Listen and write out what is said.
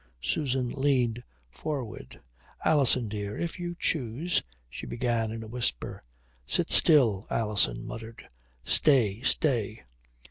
Susan leaned forward. "Alison, dear if you choose " she began in a whisper. "Sit still," Alison muttered. "Stay, stay."